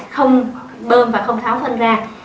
không bơm và không tháo phân ra